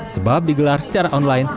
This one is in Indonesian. sebab digelar secara online